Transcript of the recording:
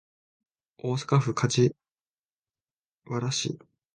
大阪府柏原市